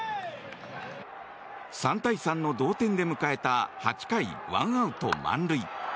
３対３の同点で迎えた８回ワンアウト満塁。